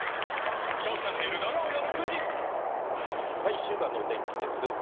１週間のお天気です。